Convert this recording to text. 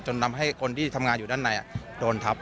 ทำให้คนที่ทำงานอยู่ด้านในโดนทับ